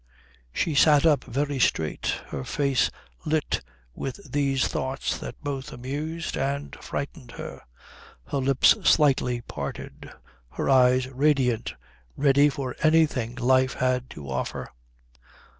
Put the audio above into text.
She sat up very straight, her face lit with these thoughts that both amused and frightened her, her lips slightly parted, her eyes radiant, ready for anything life had to offer.